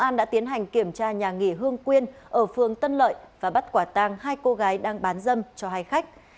an đã tiến hành kiểm tra nhà nghỉ hương quyên ở phường tân lợi và bắt quả tàng hai cô gái đang bán dâm cho hai khách